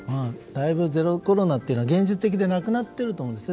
だいぶ、ゼロコロナは現実的でなくなっていると思います。